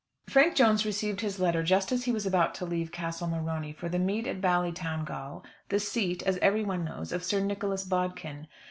Frank Jones received his letter just as he was about to leave Castle Morony for the meet at Ballytowngal, the seat, as everybody knows, of Sir Nicholas Bodkin.